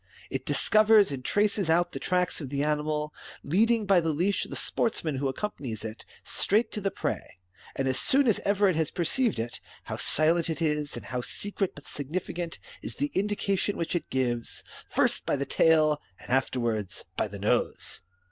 It discovers and traces out the tracks of the animal, leading by the leash ^^ the sportsman who accompanies it straight up to the prey ; and as soon as ever it has perceived it, how silent it is, and how secret but significant is the indication which it gives, first by the tail and afterwards by the nose